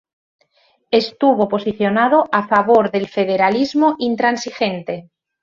Estuvo posicionado a favor del federalismo intransigente.